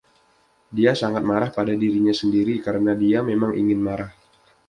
Dia sangat marah pada dirinya sendiri karena dia memang ingin marah.